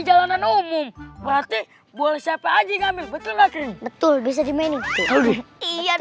jalanan umum berarti boleh siapa aja ngambil betul betul bisa dimainin iya